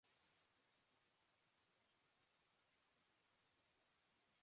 Auzo horretan istilu larriak izan dira igandean.